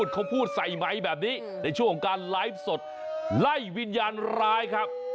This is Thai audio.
เขาพูดใส่ไมค์แบบนี้ในช่วงของการไลฟ์สดไล่วิญญาณร้ายครับ